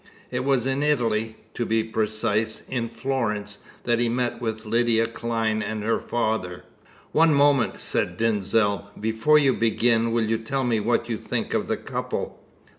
It was in Italy to be precise, in Florence that he met with Lydia Clyne and her father." "One moment," said Denzil. "Before you begin, will you tell me what you think of the couple?"